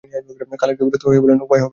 কালু একটু বিরক্ত হয়েই বললে, উপায় হবে বৈকি।